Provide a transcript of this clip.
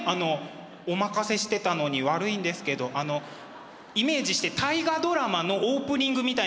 お任せしてたのに悪いんですけどあのイメージして「大河ドラマ」のオープニングみたいな感じだから。